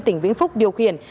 tỉnh vĩnh phúc điều khiển